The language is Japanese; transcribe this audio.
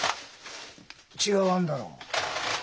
違わんだろう？